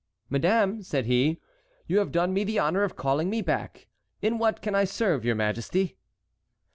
"Madame," said he, "you have done me the honor of calling me back. In what can I serve your majesty?"